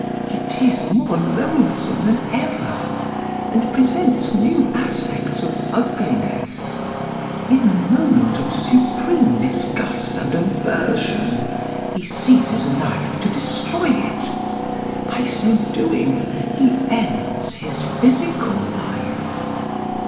It is more loathsome than ever, and presents new aspects of ugliness. In a moment of supreme disgust and aversion he seizes a knife to destroy it. By so doing he ends his physical life.